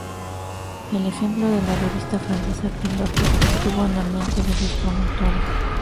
El ejemplo de la revista francesa Pilote estuvo en la mente de sus promotores.